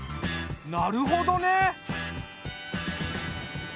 なるほどね。